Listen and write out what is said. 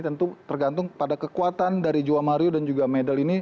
tentu tergantung pada kekuatan dari juwa mario dan juga medle ini